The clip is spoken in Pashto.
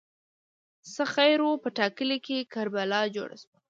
ـ څه خیر وو، په کلي کې کربلا جوړه شوه.